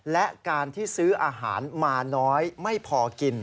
และการที่ซื้ออาหารมาน้อยไม่พอกิน